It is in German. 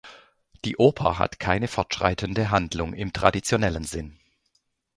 Die Oper hat keine fortschreitende Handlung im traditionellen Sinn.